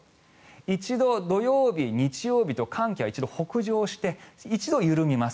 一度、土曜日、日曜日と寒気は北上して一度緩みます。